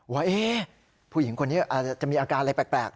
ว่าผู้หญิงคนนี้อาจจะมีอาการอะไรแปลก